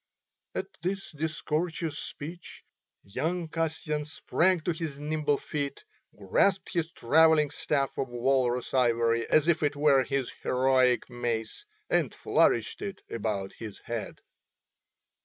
At this discourteous speech young Kasyan sprang to his nimble feet, grasped his travelling staff of walrus ivory as if it were his heroic mace and flourished it about his head.